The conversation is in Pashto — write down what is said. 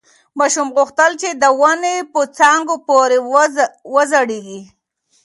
ماشوم غوښتل چې د ونې په څانګو پورې وځړېږي.